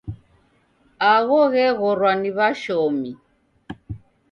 Agho gheghorwa ni w'ashomi.